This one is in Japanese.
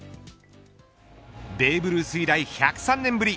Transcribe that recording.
ベーブルース以来１０３年ぶり